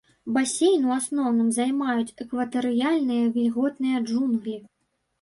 Басейн у асноўным займаюць экватарыяльныя вільготныя джунглі.